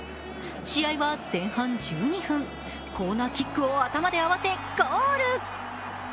試合は前半１２分、コーナーキックを頭で合わせてゴール。